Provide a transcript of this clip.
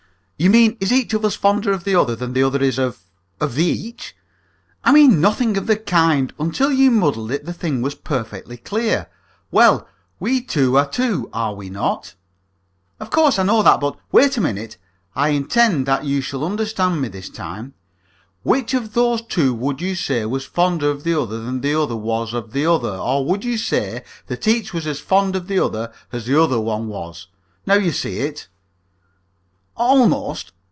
"You mean is each of us fonder of the other than the other is of of the each?" "I mean nothing of the kind. Until you muddled it the thing was perfectly clear. Well, we two are two, are we not?" "Of course I know that, but " "Wait a minute. I intend that you shall understand me this time. Which of those two would you say was fonder of the other than the other was of the other, or would you say that each was as fond of the other as the other one was? Now you see it." "Almost.